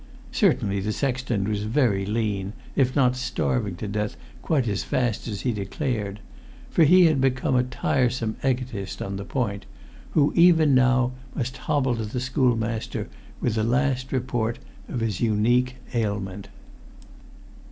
Certainly the sexton was very lean, if not starving to death quite as fast as he declared; for he had become a tiresome egotist on the point, who, even now, must hobble to the schoolmaster with the last report of his unique ailment.